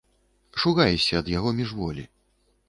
Шугаешся ад яго міжволі.